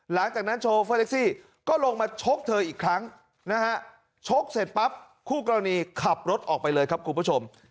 หลังจากนั้นโชเฟอร์แท็กซี่ก็ลงมาชกเธออีกครั้งนะฮะชกเสร็จปั๊บคู่กรณีขับรถออกไปเลยครับคุณผู้ชม